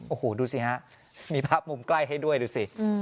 โอ้โหดูสิฮะมีภาพมุมใกล้ให้ด้วยดูสิ